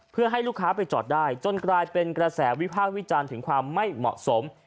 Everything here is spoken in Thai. เพื่อให้ลูกค้าไปจอดได้จนกลายเป็นกระแสวิพากษ์วิจารณ์ถึงความไม่เหมาะสม